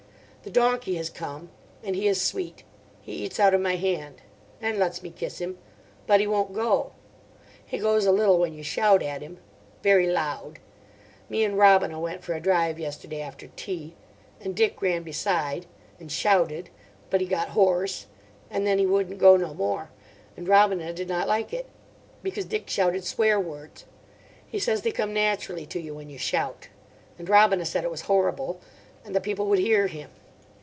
The donkey has come. And he is sweet. He eats out of my hand. And lets me kiss him. But he won't go. He goes a little when you shout at him. Very loud. Me and Robina went for a drive yesterday after tea. And Dick ran beside. And shouted. But he got hoarse. And then he wouldn't go no more. And Robina did not like it. Because Dick shouted swear words. He says they come naturally to you when you shout. And Robina said it was horrible. And that people would hear him.